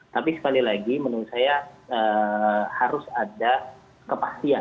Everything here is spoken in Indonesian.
tapi sekali lagi menurut saya harus ada kepastian